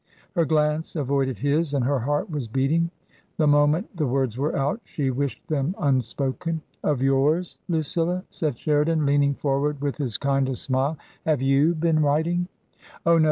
Her glance avoided his and her heart was beating. The moment the words were out she wished them un spoken. " Of yours^ Lucilla ?" cried Sheridan, leaning forward with his kindest smile; "have^t?^ been writing?" " Oh, no